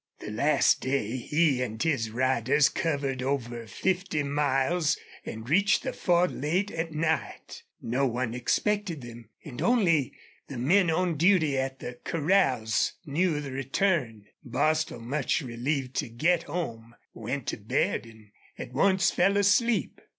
The last day he and his riders covered over fifty miles and reached the Ford late at night. No one expected them, and only the men on duty at the corrals knew of the return. Bostil, much relieved to get home, went to bed and at once fell asleep.